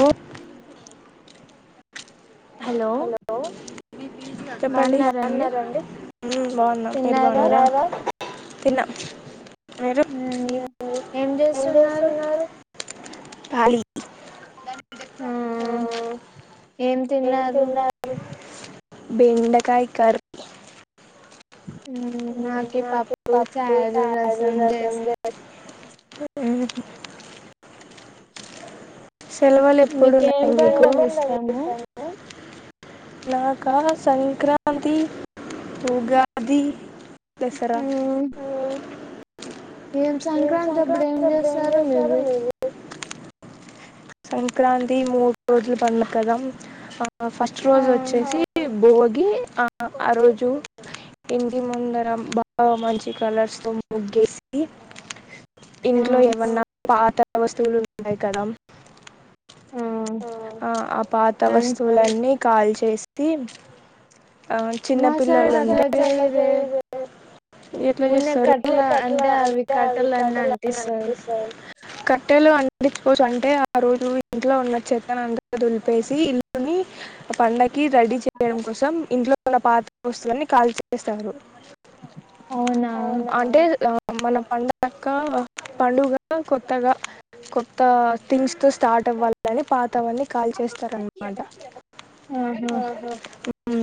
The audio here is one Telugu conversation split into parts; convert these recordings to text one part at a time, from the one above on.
ఆ హలో చెప్పండి బాగున్నారండి బాగున్నరండి హుమ్ బాగున్నా మీరు తిన్నారా తిన్న హుమ్ ఏం చేస్తున్నారు కాలీ ఆ ఏం తిన్నార్ తిన్నా బెండకాయ కర్ నాకి పప్పు చారు రసం చేస్ మ్ సెలవులు మీకేం ఎప్పుడున్నాయి మీకు పండుగ ఇష్టము నాకా సంక్రాంతి, ఉగాది దసరా హుమ్ ఏం సంక్రాంతి అప్పుడు ఏం చేస్తారు మీరు? సంక్రాంతి మూడు రోజులు పండగ కదా, ఫస్ట్ ఆ రోజు వచ్చేసి బోగి ఆ రోజు ఇంటి ముందర బాగా మంచి కలర్స్ తో ముగ్గేసి ఆ ఇంట్లో ఏమన్నా పాత వస్తువులు ఉంటాయి కదా ఆ ఆ ఆ పాత వస్తువులన్నీ కాల్ చేస్తీం. ఆ చిన్న మా పిల్లలు సైడ్ అట్లా ఉంటే చేయరే ఎట్లా ఊన్నే చేస్తరు. కట్ల అంటే ఇగా అవి కట్టలన్నీ కట్టలు అన్ని అంటిస్తారు. కట్టెలు అంటిచుకోచ్చు అంటే ఆ రోజు ఇంట్లో ఉన్న చెత్తను అంత దులిపేసి, ఇల్లుని పండగ కి రెడీ చేయడం కోసం ఇంట్లో ఉన్న పాత వస్తువులన్ని కాల్చేస్తారు. [inaudible] అంటే మన పండుగ యొక్క పండుగా కొత్తగా కొత్త థింగ్స్ తో స్టార్ట్ అవ్వాలని పా తవని కాల్ చేస్తారన్నమాట. ఆహా హ్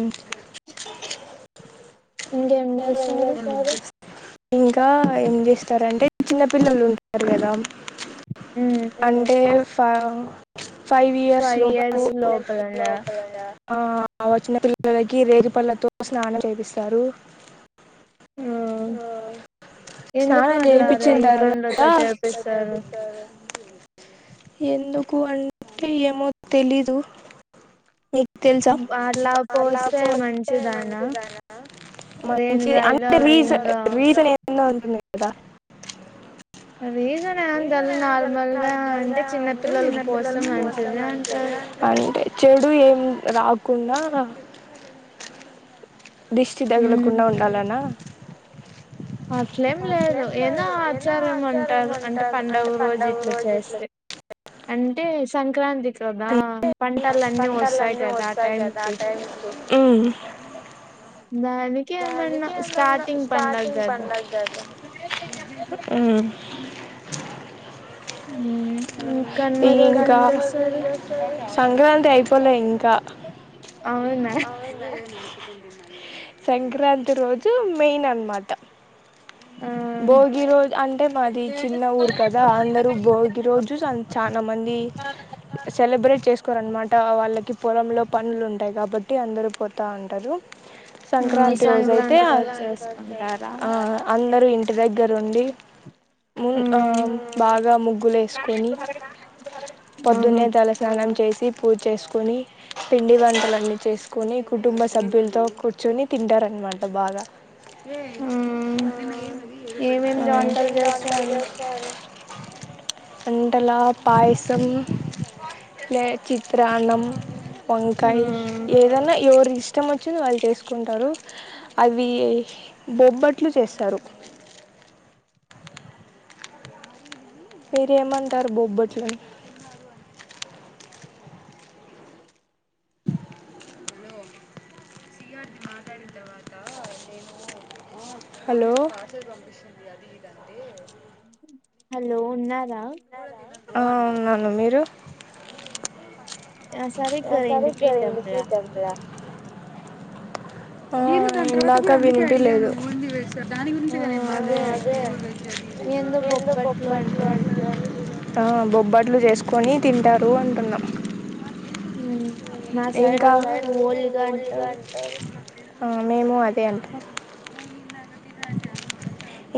ఇంగా ఎం చేస్తారు. చేస్తారు ఇంకా ఏం చేస్తారంటే చిన్న పిల్లలు ఉంటరు కదా. ఉమ్ అంటే ఫామ్ ఫైవ్ ఇయర్స్ లో [inaudible] [inaudible] ఇయర్స్ లోపలనా కదా ఆ వచ్చిన పిల్లలకి రేగిపళ్లతో స్నానం చేపిస్తారు. ఎందుకు స్నానం అట్లా చేయిపించిన రేగి తర్వాత పండ్లతో చేపిస్తారు ఎందుకు అంటే ఏమో తెలీదు. నీ తెల్సా అట్లా అలా పోస్తే పోస్తే మంచిదనా మంచిది అనా మంచిది రేనుగాయలు అంటే అవి రీసన్ ఇంకా రీసన్ ఏ ఎన్నో ఉంటున్నయి కదా. రీజన్ ఏం రీజన్ తెలీదు ఏమంటే నార్మల్గా నార్మల్ గా అంటే చిన్న పిల్లలకి చిన్నపిల్లల పోస్తే కోసం మంచిది అంటారు. మంచిగా అంటే చెడు ఏం రాకుండా దృష్టి ఉమ్ తగలకుండా ఉండాలనా అట్లేం లేదు ఏదో ఆచారం ఉంటారు అంటే పండుగ రోజు ఇట్లా చేస్తే అంటే సంక్రాంతి కదా పంటలు అన్ని వస్తాయి కదా ఆ టైం కి ఊ దానికి ఏమన్నా స్టార్టింగ్ పండగ స్టార్టింగ్ కదా పండగ కదా [inaudible] ఇంకా కనుమ రోజు ఏం ఇంకా జేస్తారు సంక్రాంతి అయిపోలే ఇం కా అవునా సంక్రాంతి రోజు మెయిన్ అనమాట ఆ భోగి రోజు అంటే మాది చిన్న ఊరు కదా అందరూ భోగి రోజు చాలా మంది సెలబ్రేట్ చేసుకోరునమాట వాళ్ళకి పొలంలో పనులు ఉంటాయి కాబట్టి అందరు పోతా ఉంటారు ఆ సంక్రాంతి రోజు అయితే సంక్రాంతి ఆ రోజు చేసుకుంటారా అందరూ ఇంటి దగ్గ దగ్గరుండి మున్ ఆ ఉమ్ బాగా ముగ్గులు వేసుకొని ఆహా ఆ పొద్దున్నేద స్నానం చేసి పూజ చేసుకొని పిండి వంటలన్నీ చేసుకొని కుటుంబ సభ్యులతో కూర్చొని తింటారనమాట బాగా ఉ ఏమేమి ఏం ఏం వంటలు వంటలు చేస్తారు చేస్తారు వంటలా పాయసం లే చిత్రాన్నం వంకాయ్ ఉమ్ ఏదన్నా ఎవరు ఇష్టము కూర్చొని వాళ్ళు చేసుకుంటారు అవి బొబ్బట్లు చేస్తారు మీరేమంటారు బొబ్బట్ల ని హలో హలో ఉన్నాప్ రా ఉన్నాను మీరు ఆ ఆ సరిగ్గా సరిగ్గా వినిపియటంలా వినిపియటం ల్య ఆ ఇందాక వినిపియా లేదు అదే ఏందో ఎందొ బొప్పట్లు బొబ్బట్లు అంటరు అంటారంట్రి గా ఆ బొబ్బట్లు చేసుకొని తింటారు అంటాన్నా వున్ ఇంకా వాడు ఓలిగ అంటారు ఆ మేము అదే అంటామ్.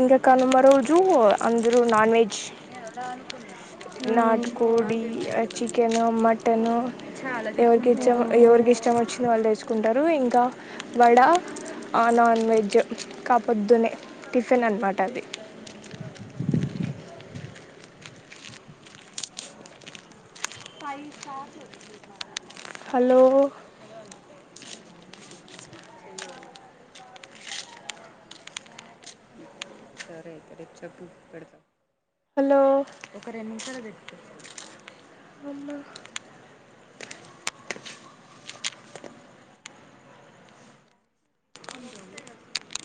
ఇంక కనుమ రోజు అందరు నాన్ వెజ్ ఉమ్ నాటుకోడి అ చికెను మటను ఎవరికిచ్చం ఉమ్ ఎవరికి ఇష్టం వచ్చింది వాళ్ళు తెచ్చుక్ కుంటారు ఇంకా వడ ఆ నాన్ వెజ్ కబ్ పొద్దునె టిఫెన్ అనమాట అది. హలో హలో అమ్మ అ